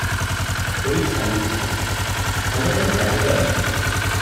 ହୋଇ ଛାଲୁଛି, ଭଲ କରି ଚାଲି ପାରୁନାହିଁ ।